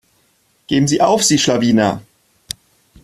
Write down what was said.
Geben sie auf, sie Schlawiner.